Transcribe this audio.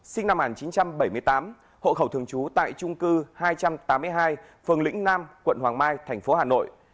sinh năm một nghìn chín trăm bảy mươi tám hộ khẩu thường trú tại trung cư hai trăm tám mươi hai phường lĩnh nam quận hoàng mai thành phố hà nội